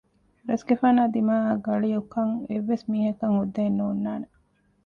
ރަސްގެފާނާ ދިމާއަށް ގަޅިއުކަން އެއްވެސް މީހަކަށް ހުއްދައެއް ނޯންނާނެ